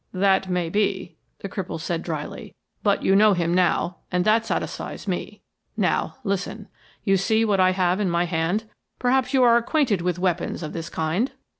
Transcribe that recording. "That may be," the cripple said drily. "But you know him now, and that satisfies me. Now, listen. You see what I have in my hand. Perhaps you are acquainted with weapons of this kind?"